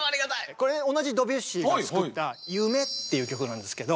これ同じドビュッシーが作った「夢」っていう曲なんですけど。